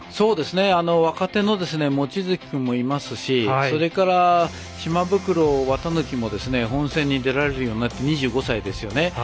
若手の望月君もいますしそれから島袋、綿貫も本戦に出られるようになって２５歳ですよね。